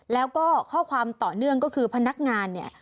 แล้วก็ข้อความต่อเนื่องก็คือพนักงานเนี่ย